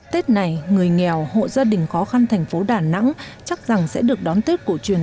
tết này người nghèo hộ gia đình khó khăn thành phố đà nẵng chắc rằng sẽ được đón tết cổ truyền